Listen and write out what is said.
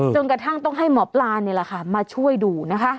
จนกระทั่งต้องให้หมอปลานี่แหละค่ะมาช่วยดูนะคะ